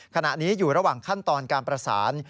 ขณะนี้อยู่ระหว่างขั้นตอนการประสาน